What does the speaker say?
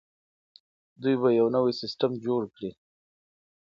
دوی به يو نوی سيستم جوړ کړي.